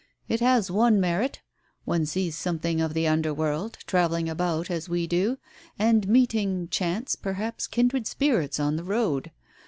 It has one merit ; one sees something of the under world, travel ling about as we do, and meeting chance, perhaps kindred spirits on the road.